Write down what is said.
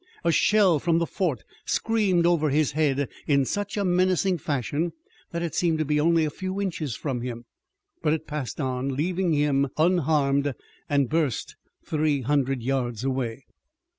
A shell from the fort screamed over his head in such a menacing fashion that it seemed to be only a few inches from him. But it passed on, leaving him unharmed, and burst three hundred yards away.